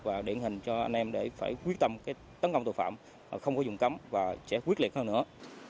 và điển hình cho anh em để phải quyết tâm tấn công tội phạm không có dùng cấm và sẽ quyết liệt hơn nữa